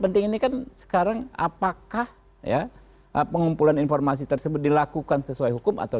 penting ini kan sekarang apakah ya pengumpulan informasi tersebut dilakukan sesuai hukum atau